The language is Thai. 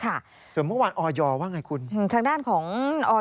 ยอมรับว่าการตรวจสอบเพียงเลขอยไม่สามารถทราบได้ว่าเป็นผลิตภัณฑ์ปลอม